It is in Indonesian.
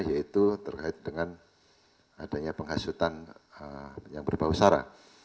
yaitu terkait dengan adanya penghasutan yang berbau sara